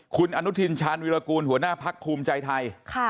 คุณอนุทินชาญวิรากูลหัวหน้าพักภูมิใจไทย